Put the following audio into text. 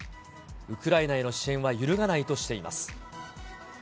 ウクライナへの支援は揺るがないとしています。